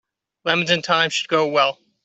Lemons and thyme should go well.